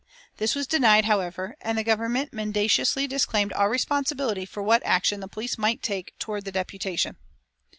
This was denied, however, and the Government mendaciously disclaimed all responsibility for what action the police might take toward the deputation.